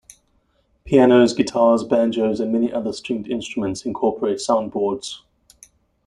Pianos, guitars, banjos, and many other stringed instruments incorporate soundboards.